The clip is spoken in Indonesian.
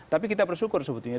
tapi kita bersyukur sebetulnya